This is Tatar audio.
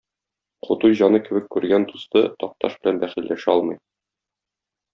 Кутуй җаны кебек күргән дусты Такташ белән бәхилләшә алмый.